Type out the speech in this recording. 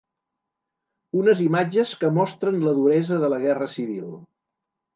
Unes imatges que mostren la duresa de la guerra civil.